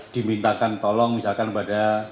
dimintakan tolong misalkan pada